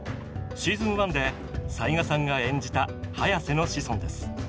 シーズン１で斎賀さんが演じたハヤセの子孫です。